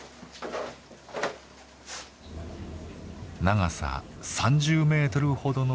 長さ３０ｍほどの洞窟。